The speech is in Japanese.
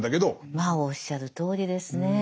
まあおっしゃるとおりですねえ。